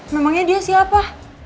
memangnya dia siapa